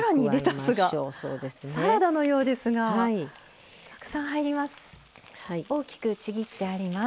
サラダのようですがたくさん入ります。